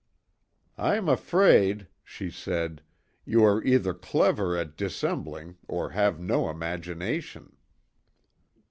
"I'm afraid," she said "you are either clever at dissembling or have no imagination."